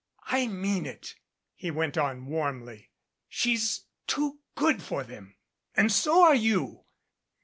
"I mean it," he went on warmly. "She's too good for them and so are you.